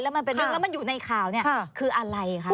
มันเป็นเรื่องแล้วมันอยู่ในข่าวเนี่ยคืออะไรคะ